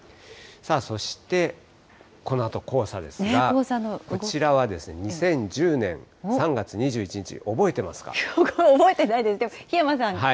そして、このあと黄砂ですが、こちらは２０１０年３月２１日、覚えてないですが、檜山さん